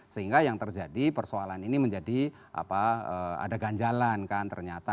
sehingga yang terjadi persoalan ini menjadi ada ganjalan kan ternyata